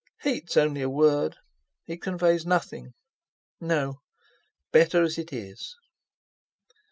"Hate's only a word. It conveys nothing. No, better as it is."